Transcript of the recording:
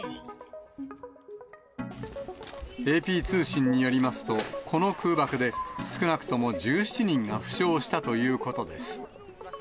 ＡＰ通信によりますと、この空爆で、少なくとも１７人が負傷したということです。